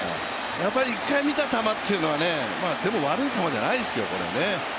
やっぱり一回見た球というのはね、でも悪い球じゃないですよね、これね。